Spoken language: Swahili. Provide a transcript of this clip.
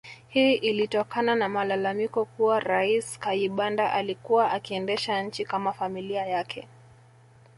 Hii ilitokana na malalamiko kuwa Rais Kayibanda alikuwa akiendesha nchi kama familia yake